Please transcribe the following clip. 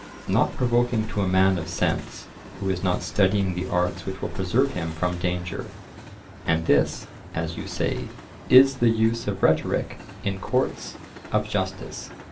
Not provoking to a man of sense who is not studying the arts which will preserve him from danger; and this, as you say, is the use of rhetoric in courts of justice.